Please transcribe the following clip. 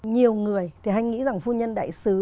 nhiều người thì hay nghĩ rằng phu nhân đại sứ